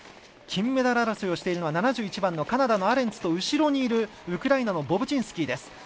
金メダル争いをしているのは７１番のカナダのアレンツと後ろにいる、ウクライナのボブチンスキーです。